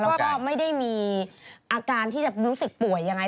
แล้วก็ไม่ได้มีอาการที่จะรู้สึกป่วยยังไง